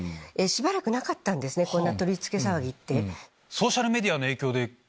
こんな取り付け騒ぎって。